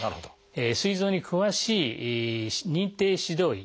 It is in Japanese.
すい臓に詳しい認定指導医